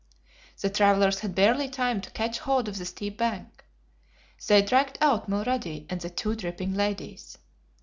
The travelers had barely time to catch hold of the steep bank. They dragged out Mulrady and the two dripping ladies.